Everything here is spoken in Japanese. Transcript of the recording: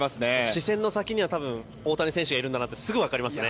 視線の先には大谷選手がいるんだなってすぐに分かりますね。